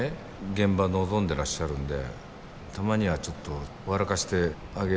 現場臨んでらっしゃるんでたまにはちょっと笑かしてあげるのも必要だし。